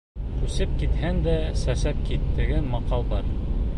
Күсеп китһәң дә сәсеп кит, тигән мәҡәл бар.